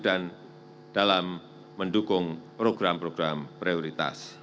dan dalam mendukung program program prioritas